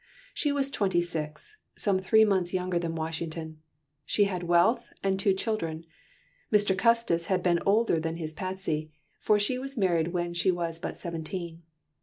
She was twenty six, some three months younger than Washington; she had wealth, and two children. Mr. Custis had been older than his Patsy, for she was married when she was but seventeen.